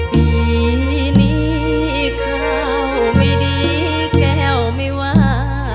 ปีนี้ข้าวไม่ดีแก้วไม่ว่า